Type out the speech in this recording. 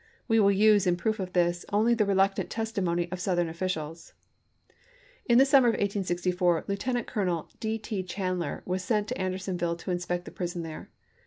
We will use, in proof of this, only the reluctant testimony of Southern officials. In the summer of 1864, Lieutenant Colonel D. T. Chandler was sent to Andersonville to inspect the prison there.